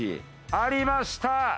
ありました！